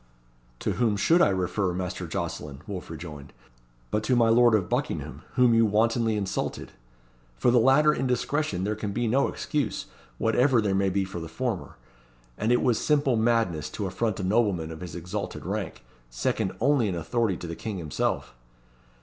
"To whom should I refer, Master Jocelyn," Wolfe rejoined, "but to my lord of Buckingham, whom you wantonly insulted? For the latter indiscretion there can be no excuse, whatever there may be for the former; and it was simple madness to affront a nobleman of his exalted rank, second only in authority to the King himself."